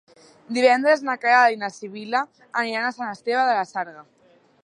Divendres na Queralt i na Sibil·la aniran a Sant Esteve de la Sarga.